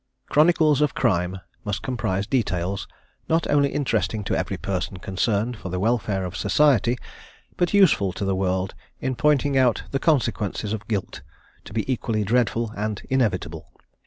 "Chronicles of Crime" must comprise details, not only interesting to every person concerned for the welfare of society, but useful to the world in pointing out the consequences of guilt to be equally dreadful and inevitable.